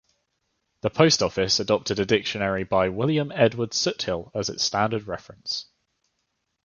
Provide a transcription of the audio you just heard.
The post office adopted a dictionary by William Edward Soothill as its standard reference.